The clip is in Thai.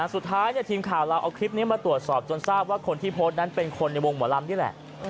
สุดท้ายทีมข่าวเราเอาคลิปนี้มาตรวจสอบจนทราบว่าคนที่โพสต์นั้นเป็นคนในวงหมอลำนี่แหละ